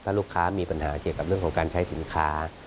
ถ้าลูกค้ามีปัญหาเกี่ยวกับเรื่องของการใช้สินค้า